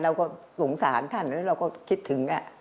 เราก็สงสารท่านเราก็คิดถึง